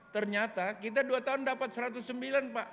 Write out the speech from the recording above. ternyata kita dua tahun dapat satu ratus sembilan pak